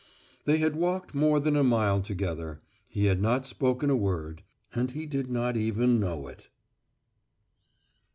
They had walked more than a mile together; he had not spoken a word, and he did not even know it.